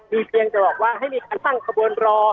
มีเพียงจะบอกว่าให้มีการตั้งขบวนรอ